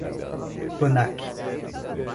Bannach